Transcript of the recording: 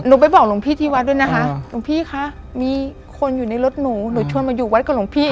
ไปบอกหลวงพี่ที่วัดด้วยนะคะหลวงพี่คะมีคนอยู่ในรถหนูหนูชวนมาอยู่วัดกับหลวงพี่